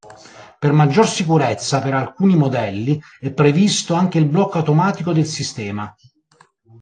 Per maggiore sicurezza, per alcuni modelli è previsto anche il blocco automatico del sistema.